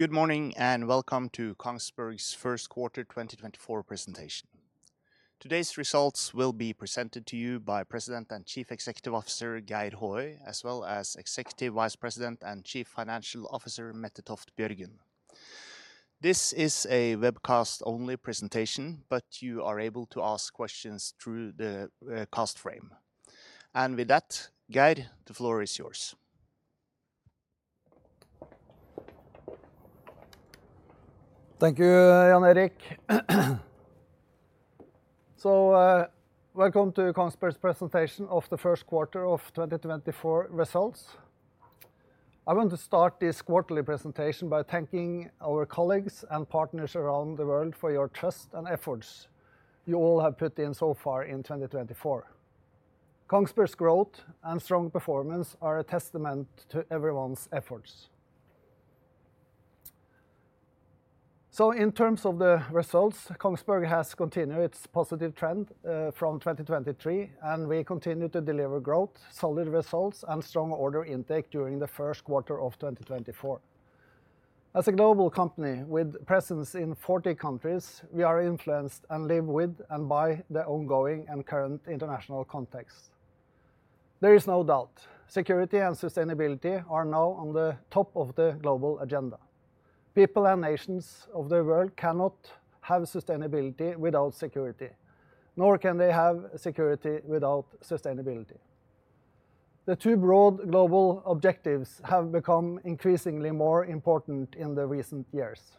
Good morning and welcome to Kongsberg's first quarter 2024 presentation. Today's results will be presented to you by President and Chief Executive Officer Geir Håøy, as well as Executive Vice President and Chief Financial Officer Mette Toft Bjørgen. This is a webcast-only presentation, but you are able to ask questions through the cast frame. With that, Geir, the floor is yours. Thank you, Jan Erik. So, welcome to Kongsberg's presentation of the first quarter of 2024 results. I want to start this quarterly presentation by thanking our colleagues and partners around the world for your trust and efforts you all have put in so far in 2024. Kongsberg's growth and strong performance are a testament to everyone's efforts. So, in terms of the results, Kongsberg has continued its positive trend, from 2023, and we continue to deliver growth, solid results, and strong order intake during the first quarter of 2024. As a global company with presence in 40 countries, we are influenced and live with and by the ongoing and current international context. There is no doubt: security and sustainability are now on the top of the global agenda. People and nations of the world cannot have sustainability without security, nor can they have security without sustainability. The two broad global objectives have become increasingly more important in the recent years.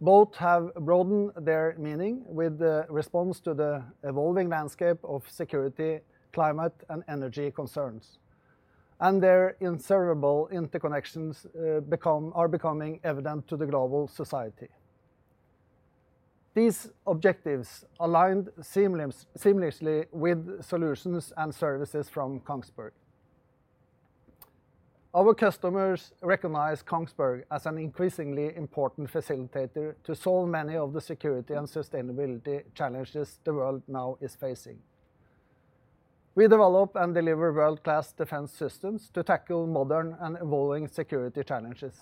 Both have broadened their meaning with the response to the evolving landscape of security, climate, and energy concerns, and their inseparable interconnections are becoming evident to the global society. These objectives align seamlessly with solutions and services from Kongsberg. Our customers recognize Kongsberg as an increasingly important facilitator to solve many of the security and sustainability challenges the world now is facing. We develop and deliver world-class defense systems to tackle modern and evolving security challenges,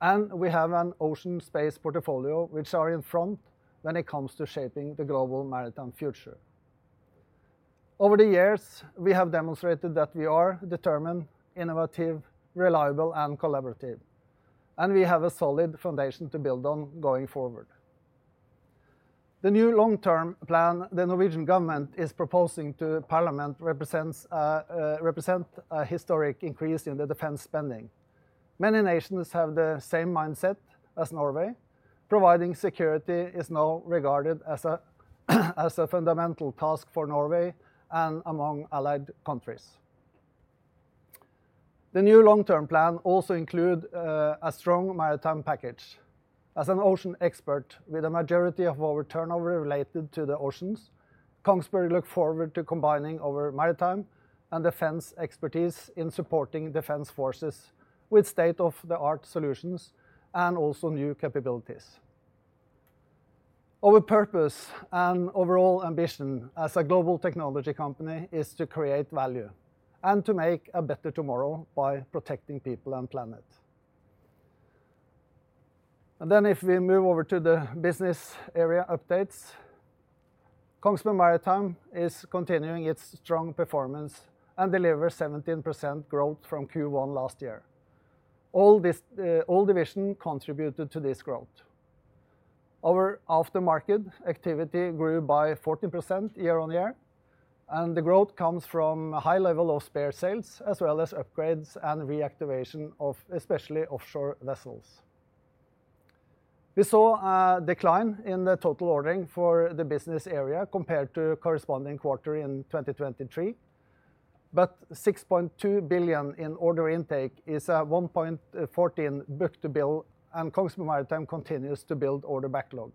and we have an ocean-space portfolio which is in front when it comes to shaping the global maritime future. Over the years, we have demonstrated that we are determined, innovative, reliable, and collaborative, and we have a solid foundation to build on going forward. The new long-term plan the Norwegian government is proposing to Parliament represents a historic increase in the defense spending. Many nations have the same mindset as Norway: providing security is now regarded as a fundamental task for Norway and among allied countries. The new long-term plan also includes a strong maritime package. As an ocean expert with a majority of our turnover related to the oceans, Kongsberg looks forward to combining our maritime and defense expertise in supporting defense forces with state-of-the-art solutions and also new capabilities. Our purpose and overall ambition as a global technology company is to create value and to make a better tomorrow by protecting people and planet. And then if we move over to the business area updates, Kongsberg Maritime is continuing its strong performance and delivered 17% growth from Q1 last year. All divisions contributed to this growth. Our aftermarket activity grew by 14% year-on-year, and the growth comes from a high level of spare sales as well as upgrades and reactivation of especially offshore vessels. We saw a decline in the total ordering for the business area compared to corresponding quarter in 2023, but 6.2 billion in order intake is a 1.14 book-to-bill, and Kongsberg Maritime continues to build order backlog.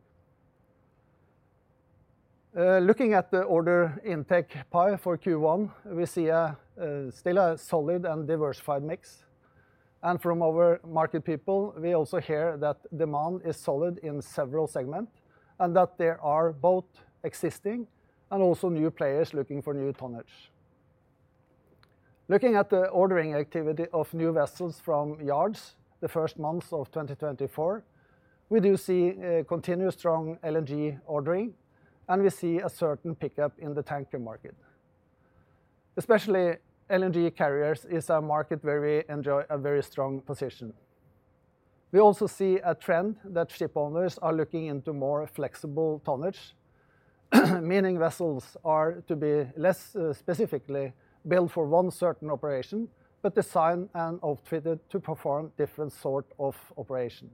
Looking at the order intake pie for Q1, we see still a solid and diversified mix. And from our market people, we also hear that demand is solid in several segments and that there are both existing and also new players looking for new tonnage. Looking at the ordering activity of new vessels from yards the first months of 2024, we do see continued strong LNG ordering, and we see a certain pickup in the tanker market. Especially LNG carriers is a market where we enjoy a very strong position. We also see a trend that shipowners are looking into more flexible tonnage, meaning vessels are to be less, specifically built for one certain operation but designed and outfitted to perform different sort of operation.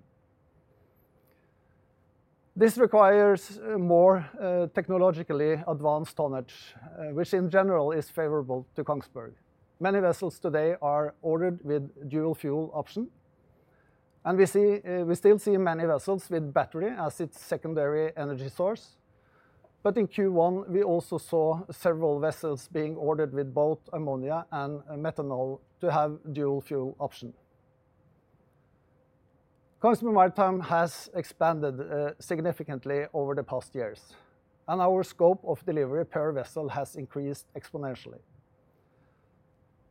This requires more, technologically advanced tonnage, which in general is favorable to Kongsberg. Many vessels today are ordered with dual-fuel option, and we see we still see many vessels with battery as its secondary energy source, but in Q1 we also saw several vessels being ordered with both ammonia and methanol to have dual-fuel option. Kongsberg Maritime has expanded, significantly over the past years, and our scope of delivery per vessel has increased exponentially.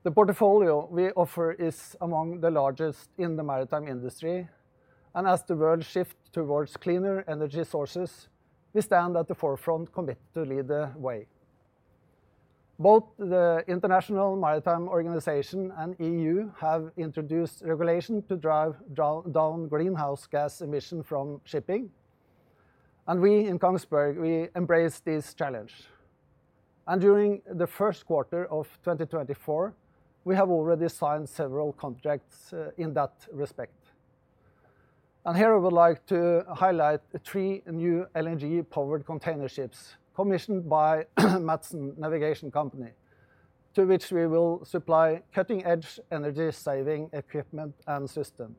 The portfolio we offer is among the largest in the maritime industry, and as the world shifts towards cleaner energy sources, we stand at the forefront committed to lead the way. Both the International Maritime Organization and EU have introduced regulation to drive down greenhouse gas emissions from shipping, and we in Kongsberg, we embrace this challenge. During the first quarter of 2024, we have already signed several contracts, in that respect. Here I would like to highlight three new LNG-powered container ships commissioned by Matson Navigation Company, to which we will supply cutting-edge energy-saving equipment and systems.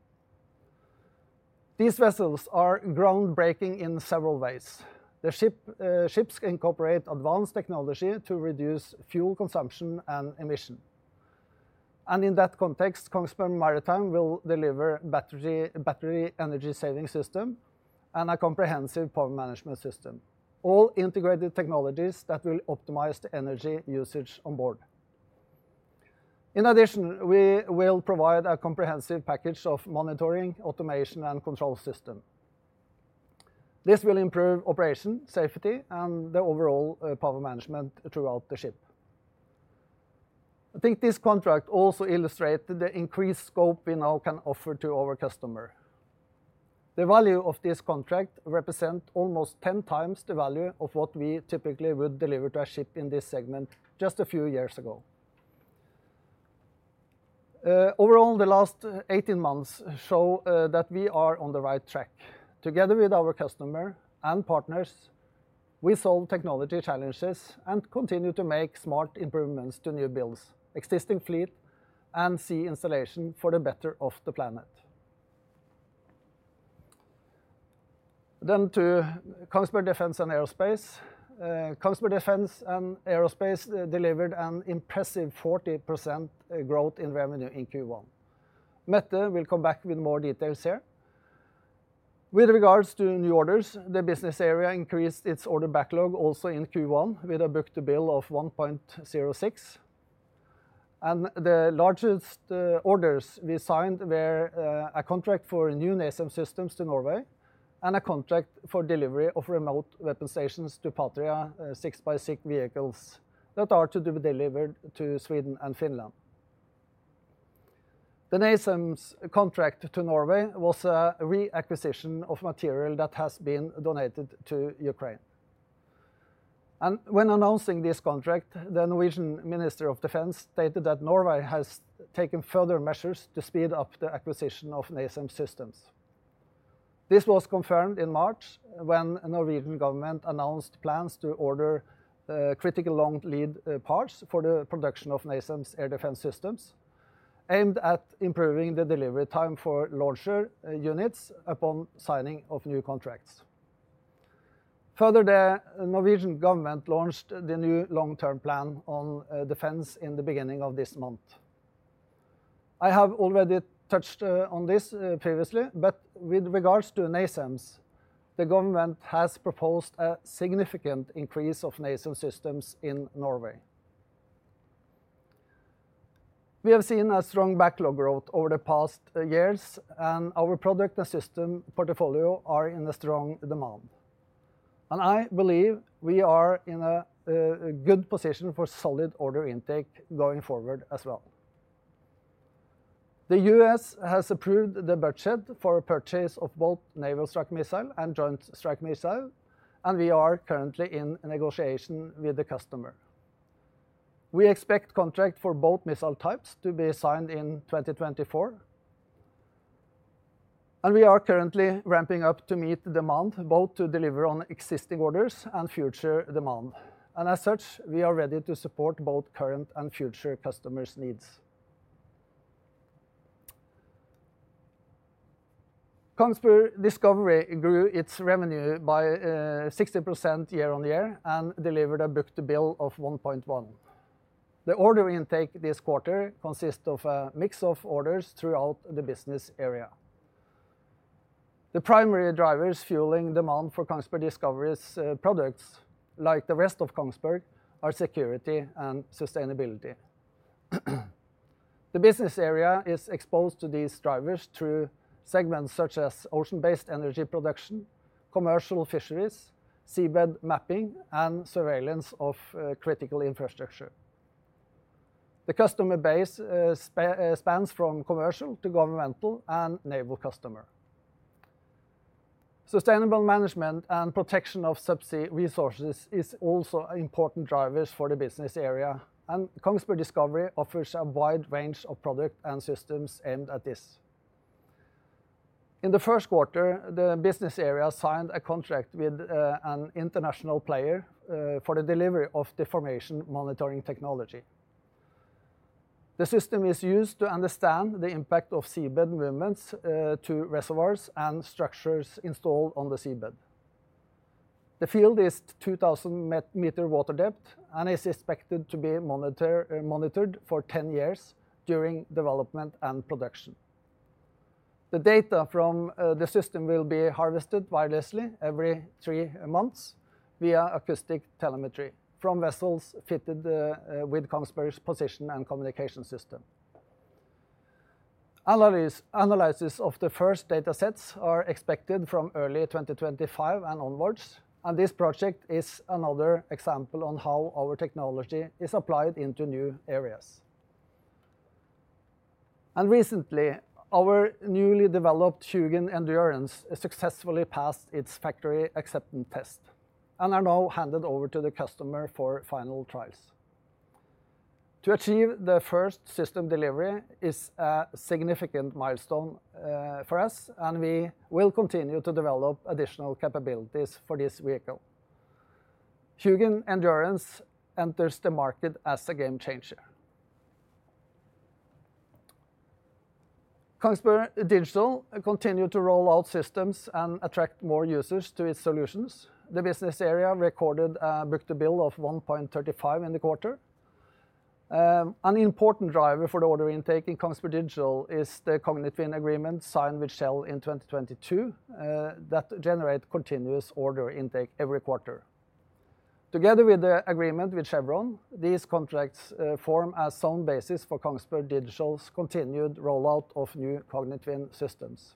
These vessels are groundbreaking in several ways. The ships incorporate advanced technology to reduce fuel consumption and emissions. In that context, Kongsberg Maritime will deliver a battery energy-saving system and a comprehensive power management system, all integrated technologies that will optimize the energy usage on board. In addition, we will provide a comprehensive package of monitoring, automation, and control systems. This will improve operation, safety, and the overall power management throughout the ship. I think this contract also illustrated the increased scope we now can offer to our customer. The value of this contract represents almost 10 times the value of what we typically would deliver to a ship in this segment just a few years ago. Overall, the last 18 months show that we are on the right track. Together with our customer and partners, we solve technology challenges and continue to make smart improvements to new builds, existing fleet, and sea installation for the better of the planet. Then to Kongsberg Defence & Aerospace. Kongsberg Defence & Aerospace delivered an impressive 40% growth in revenue in Q1. Mette will come back with more details here. With regards to new orders, the business area increased its order backlog also in Q1 with a book-to-bill of 1.06. The largest orders we signed were a contract for new NASAMS systems to Norway and a contract for delivery of remote weapon stations to Patria 6x6 vehicles that are to be delivered to Sweden and Finland. The NASAMS contract to Norway was a reacquisition of material that has been donated to Ukraine. When announcing this contract, the Norwegian Minister of Defense stated that Norway has taken further measures to speed up the acquisition of NASAMS systems. This was confirmed in March when the Norwegian government announced plans to order critical long-lead parts for the production of NASAMS air defense systems, aimed at improving the delivery time for launcher units upon signing of new contracts. Further, the Norwegian government launched the new long-term plan on defense in the beginning of this month. I have already touched on this previously, but with regards to NASAMS, the government has proposed a significant increase of NASAMS systems in Norway. We have seen a strong backlog growth over the past years, and our product and system portfolio are in strong demand. I believe we are in a good position for solid order intake going forward as well. The U.S. has approved the budget for purchase of both Naval Strike Missile and Joint Strike Missile, and we are currently in negotiation with the customer. We expect contracts for both missile types to be signed in 2024. We are currently ramping up to meet demand both to deliver on existing orders and future demand. As such, we are ready to support both current and future customers' needs. Kongsberg Discovery grew its revenue by 60% year-on-year and delivered a book-to-bill of 1.1. The order intake this quarter consists of a mix of orders throughout the business area. The primary drivers fueling demand for Kongsberg Discovery's products, like the rest of Kongsberg, are security and sustainability. The business area is exposed to these drivers through segments such as ocean-based energy production, commercial fisheries, seabed mapping, and surveillance of critical infrastructure. The customer base spans from commercial to governmental and naval customers. Sustainable management and protection of subsea resources is also important drivers for the business area, and Kongsberg Discovery offers a wide range of products and systems aimed at this. In the first quarter, the business area signed a contract with an international player for the delivery of deformation monitoring technology. The system is used to understand the impact of seabed movements to reservoirs and structures installed on the seabed. The field is 2,000-meter water depth and is expected to be monitored for 10 years during development and production. The data from the system will be harvested wirelessly every three months via acoustic telemetry from vessels fitted with Kongsberg's position and communication system. Analysis of the first datasets is expected from early 2025 and onwards, and this project is another example on how our technology is applied into new areas. Recently, our newly developed HUGIN Endurance successfully passed its factory acceptance test and is now handed over to the customer for final trials. To achieve the first system delivery is a significant milestone for us, and we will continue to develop additional capabilities for this vehicle. HUGIN Endurance enters the market as a game-changer. Kongsberg Digital continues to roll out systems and attract more users to its solutions. The business area recorded a book-to-bill of 1.35 in the quarter. An important driver for the order intake in Kongsberg Digital is the Cognitwin agreement signed with Shell in 2022, that generates continuous order intake every quarter. Together with the agreement with Chevron, these contracts form a solid basis for Kongsberg Digital's continued rollout of new Cognitwin systems.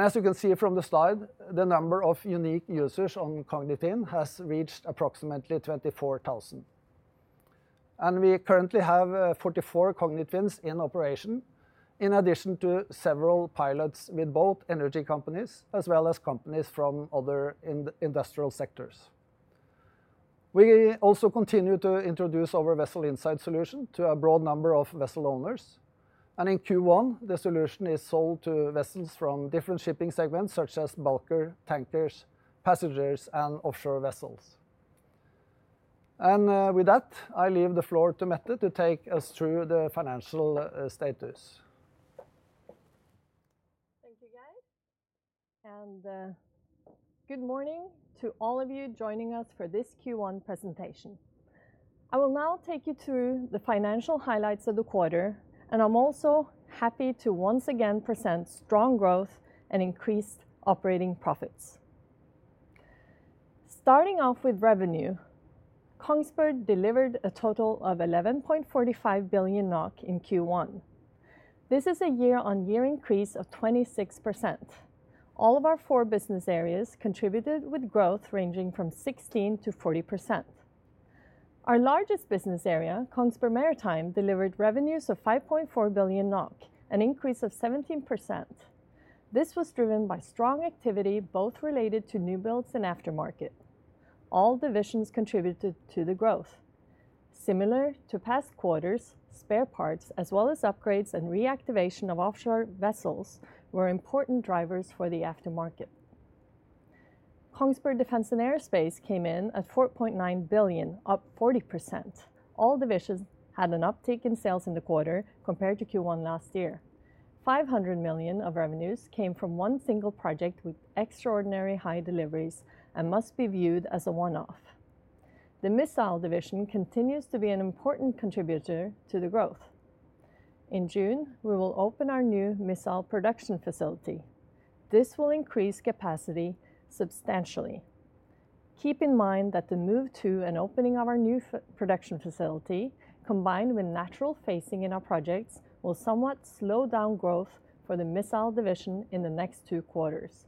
As you can see from the slide, the number of unique users on Cognitwin has reached approximately 24,000. We currently have 44 Cognitwins in operation, in addition to several pilots with both energy companies as well as companies from other industrial sectors. We also continue to introduce our Vessel Insight solution to a broad number of vessel owners, and in Q1, the solution is sold to vessels from different shipping segments such as bulker, tankers, passengers, and offshore vessels. And with that, I leave the floor to Mette to take us through the financial status. Thank you, Geir. Good morning to all of you joining us for this Q1 presentation. I will now take you through the financial highlights of the quarter, and I'm also happy to once again present strong growth and increased operating profits. Starting off with revenue, Kongsberg delivered a total of 11.45 billion NOK in Q1. This is a year-on-year increase of 26%. All of our four business areas contributed with growth ranging from 16%-40%. Our largest business area, Kongsberg Maritime, delivered revenues of 5.4 billion NOK, an increase of 17%. This was driven by strong activity both related to new builds and aftermarket. All divisions contributed to the growth. Similar to past quarters, spare parts as well as upgrades and reactivation of offshore vessels were important drivers for the aftermarket. Kongsberg Defence & Aerospace came in at 4.9 billion, up 40%. All divisions had an uptick in sales in the quarter compared to Q1 last year. 500 million of revenues came from one single project with extraordinarily high deliveries and must be viewed as a one-off. The missile division continues to be an important contributor to the growth. In June, we will open our new missile production facility. This will increase capacity substantially. Keep in mind that the move to and opening of our new production facility, combined with natural phasing in our projects, will somewhat slow down growth for the missile division in the next two quarters.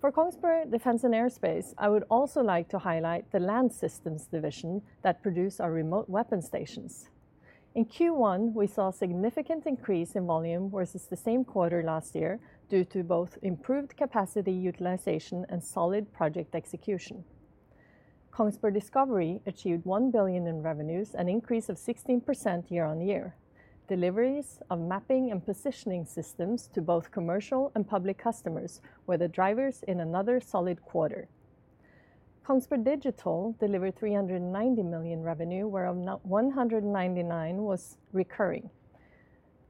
For Kongsberg Defence & Aerospace, I would also like to highlight the land systems division that produces our remote weapon stations. In Q1, we saw a significant increase in volume versus the same quarter last year due to both improved capacity utilization and solid project execution. Kongsberg Discovery achieved 1 billion in revenues, an increase of 16% year-over-year. Deliveries of mapping and positioning systems to both commercial and public customers were the drivers in another solid quarter. Kongsberg Digital delivered 390 million revenue, where of note 199 million was recurring.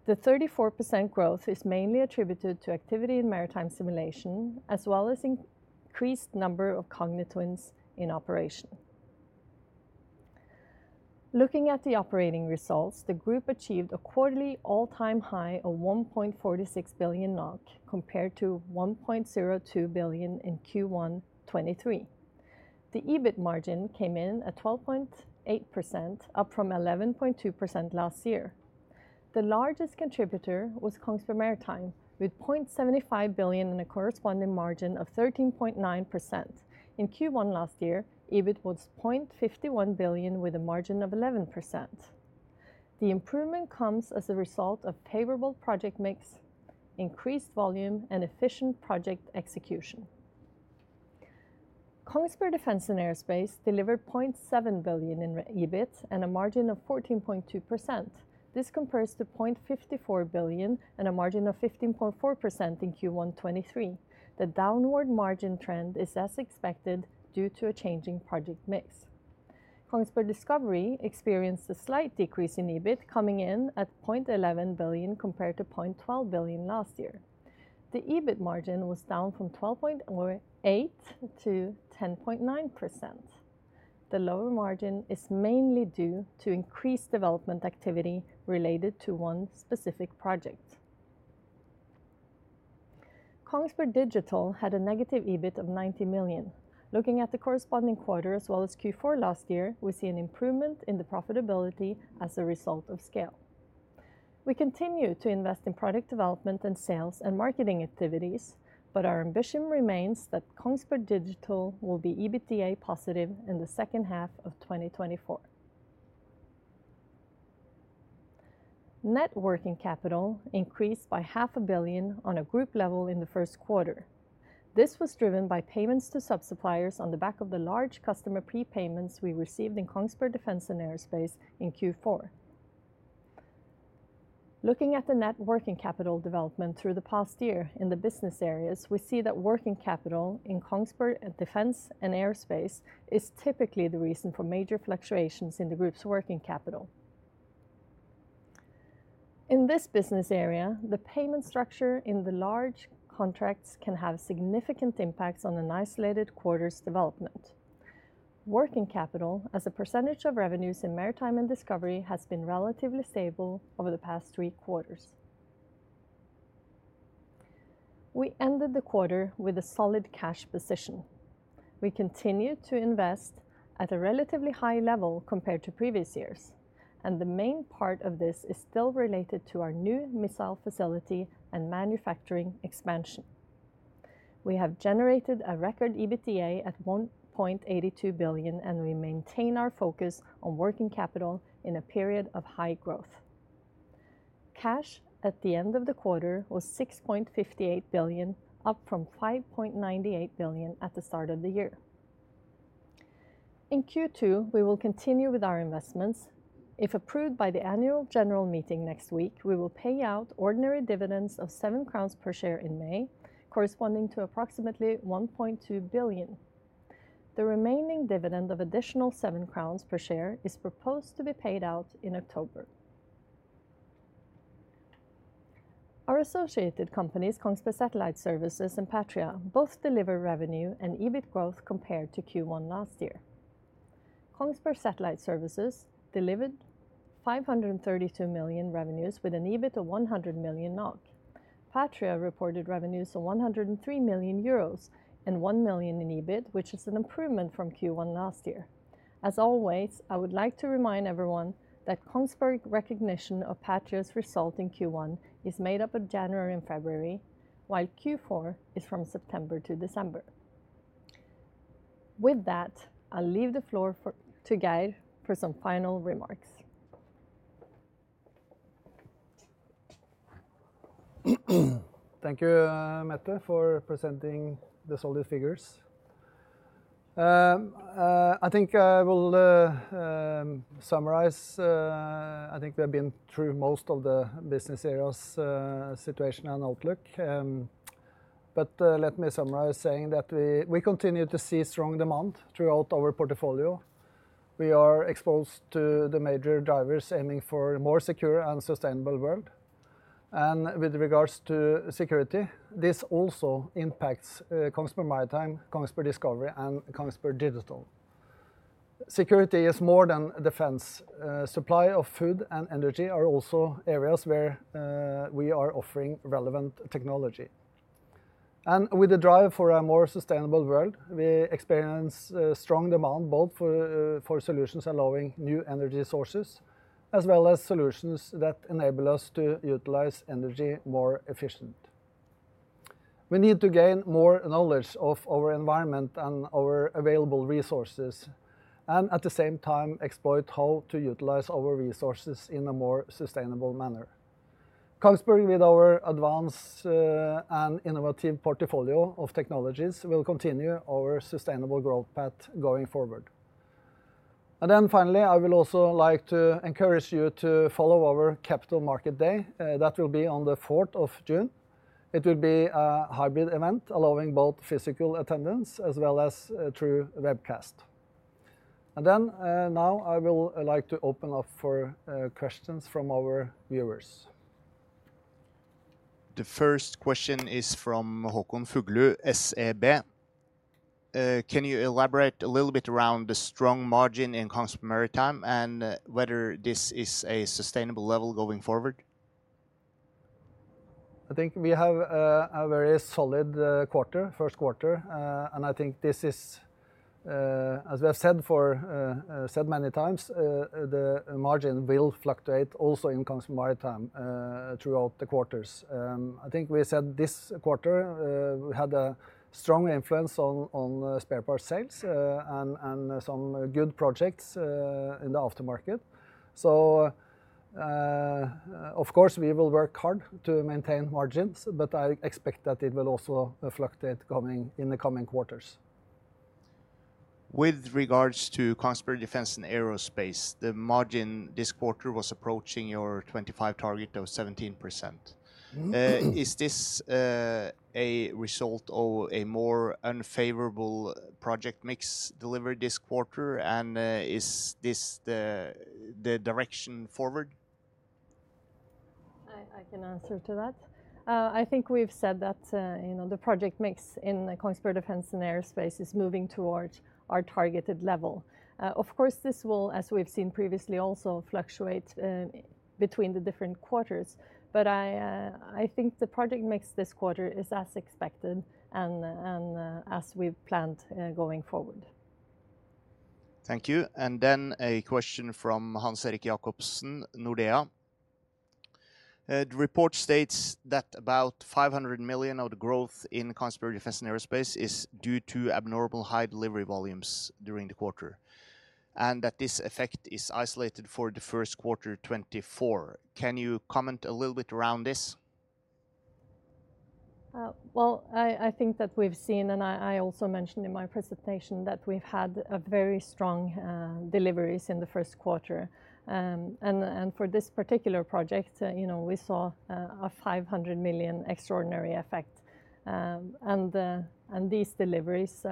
The 34% growth is mainly attributed to activity in maritime simulation as well as an increased number of Cognitwins in operation. Looking at the operating results, the group achieved a quarterly all-time high of 1.46 billion NOK compared to 1.02 billion in Q1/2023. The EBIT margin came in at 12.8%, up from 11.2% last year. The largest contributor was Kongsberg Maritime, with 0.75 billion and a corresponding margin of 13.9%. In Q1 last year, EBIT was 0.51 billion, with a margin of 11%. The improvement comes as a result of a favorable project mix, increased volume, and efficient project execution. Kongsberg Defence & Aerospace delivered 0.7 billion in reported EBIT and a margin of 14.2%. This compares to 0.54 billion and a margin of 15.4% in Q1 2023. The downward margin trend is as expected due to a changing project mix. Kongsberg Discovery experienced a slight decrease in EBIT, coming in at 0.11 billion compared to 0.12 billion last year. The EBIT margin was down from 12.8%-10.9%. The lower margin is mainly due to increased development activity related to one specific project. Kongsberg Digital had a negative EBIT of 90 million. Looking at the corresponding quarter as well as Q4 last year, we see an improvement in the profitability as a result of scale. We continue to invest in product development and sales and marketing activities, but our ambition remains that Kongsberg Digital will be EBITDA positive in the second half of 2024. working capital increased by 500 million on a group level in the first quarter. This was driven by payments to subsuppliers on the back of the large customer prepayments we received in Kongsberg Defence & Aerospace in Q4. Looking at the net working capital development through the past year in the business areas, we see that working capital in Kongsberg Defence & Aerospace is typically the reason for major fluctuations in the group's working capital. In this business area, the payment structure in the large contracts can have significant impacts on an isolated quarter's development. Working capital, as a percentage of revenues in Maritime and Discovery, has been relatively stable over the past three quarters. We ended the quarter with a solid cash position. We continue to invest at a relatively high level compared to previous years, and the main part of this is still related to our new missile facility and manufacturing expansion. We have generated a record EBITDA at 1.82 billion, and we maintain our focus on working capital in a period of high growth. Cash at the end of the quarter was 6.58 billion, up from 5.98 billion at the start of the year. In Q2, we will continue with our investments. If approved by the annual general meeting next week, we will pay out ordinary dividends of 7 crowns per share in May, corresponding to approximately 1.2 billion. The remaining dividend of additional 7 crowns per share is proposed to be paid out in October. Our associated companies, Kongsberg Satellite Services and Patria, both deliver revenue and EBIT growth compared to Q1 last year. Kongsberg Satellite Services delivered 532 million revenues with an EBIT of 100 million NOK. Patria reported revenues of 103 million euros and 1 million in EBIT, which is an improvement from Q1 last year. As always, I would like to remind everyone that Kongsberg's recognition of Patria's result in Q1 is made up of January and February, while Q4 is from September to December. With that, I'll leave the floor for Geir for some final remarks. Thank you, Mette, for presenting the solid figures. I think I will summarize. I think we have been through most of the business areas, situation and outlook. Let me summarize saying that we continue to see strong demand throughout our portfolio. We are exposed to the major drivers aiming for a more secure and sustainable world. With regards to security, this also impacts Kongsberg Maritime, Kongsberg Discovery, and Kongsberg Digital. Security is more than defense. Supply of food and energy are also areas where we are offering relevant technology. With the drive for a more sustainable world, we experience strong demand both for solutions allowing new energy sources as well as solutions that enable us to utilize energy more efficiently. We need to gain more knowledge of our environment and our available resources and, at the same time, exploit how to utilize our resources in a more sustainable manner. Kongsberg, with our advanced and innovative portfolio of technologies, will continue our sustainable growth path going forward. And then finally, I will also like to encourage you to follow our Capital Market Day that will be on the 4th of June. It will be a hybrid event allowing both physical attendance as well as a true webcast. And then, now I will like to open up for questions from our viewers. The first question is from Håkon Fuglu, SEB. Can you elaborate a little bit around the strong margin in Kongsberg Maritime and whether this is a sustainable level going forward? I think we have a very solid quarter, first quarter. I think this is, as we have said many times, the margin will fluctuate also in Kongsberg Maritime throughout the quarters. I think we said this quarter, we had a strong influence on spare parts sales, and some good projects in the aftermarket. So, of course, we will work hard to maintain margins, but I expect that it will also fluctuate in the coming quarters. With regards to Kongsberg Defence & Aerospace, the margin this quarter was approaching your 2025 target of 17%. Is this a result of a more unfavorable project mix delivered this quarter, and is this the direction forward? I can answer that. I think we've said that, you know, the project mix in Kongsberg Defence & Aerospace is moving towards our targeted level. Of course, this will, as we've seen previously, also fluctuate between the different quarters, but I think the project mix this quarter is as expected and, as we've planned, going forward. Thank you. And then a question from Hans-Erik Jacobsen, Nordea. The report states that about 500 million of the growth in Kongsberg Defence & Aerospace is due to abnormal high delivery volumes during the quarter and that this effect is isolated for the first quarter 2024. Can you comment a little bit around this? Well, I think that we've seen, and I also mentioned in my presentation that we've had very strong deliveries in the first quarter. And for this particular project, you know, we saw a 500 million extraordinary effect. And these deliveries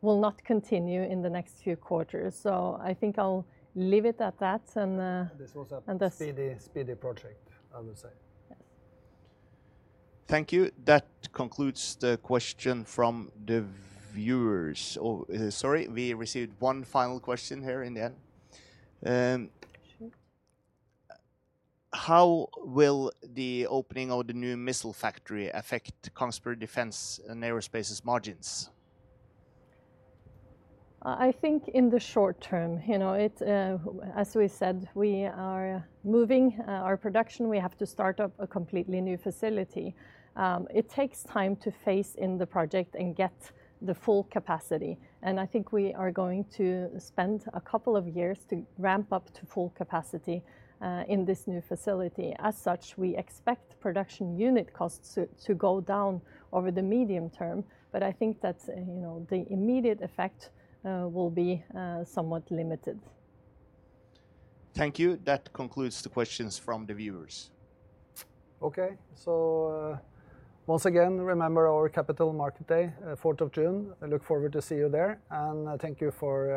will not continue in the next few quarters. So I think I'll leave it at that and. This was a speedy, speedy project, I would say. Yes. Thank you. That concludes the question from the viewers. Oh, sorry, we received one final question here in the end. Sure. How will the opening of the new missile factory affect Kongsberg Defence & Aerospace's margins? I think in the short term, you know, as we said, we are moving our production. We have to start up a completely new facility. It takes time to phase in the project and get the full capacity. And I think we are going to spend a couple of years to ramp up to full capacity in this new facility. As such, we expect production unit costs to go down over the medium term, but I think that, you know, the immediate effect will be somewhat limited. Thank you. That concludes the questions from the viewers. Okay. So, once again, remember our Capital Market Day, 4th of June. I look forward to seeing you there, and thank you for.